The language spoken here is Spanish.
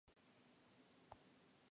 Boissier" iv.